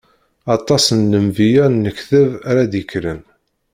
Aṭas n lenbiya n lekdeb ara d-ikkren.